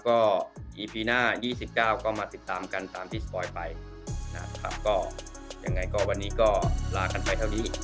ก็อีพีหน้า๒๙ก็มาติดตามกันตามที่สปอยไปนะครับก็ยังไงก็วันนี้ก็ลากันไปเท่านี้